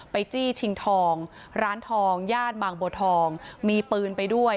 จี้ชิงทองร้านทองย่านบางบัวทองมีปืนไปด้วย